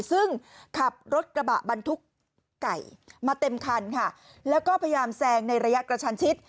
ซึ่งขับรถกระบะบรรทุกไก่มาเต็มคันค่ะแล้วก็พยายามแซงในระยะกระชันชิด